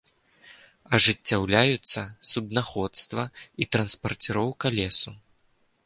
Ажыццяўляюцца суднаходства і транспарціроўка лесу.